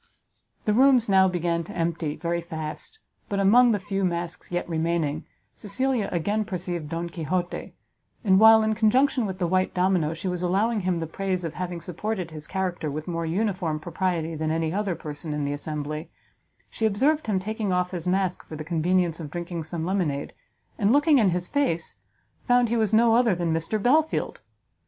The rooms now began to empty very fast, but among the few masks yet remaining, Cecilia again perceived Don Quixote; and while, in conjunction with the white domino, she was allowing him the praise of having supported his character with more uniform propriety than any other person in the assembly, she observed him taking off his mask for the convenience of drinking some lemonade, and, looking in his face, found he was no other than Mr Belfield!